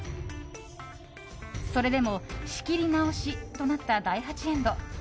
それでも仕切り直しとなった第８エンド。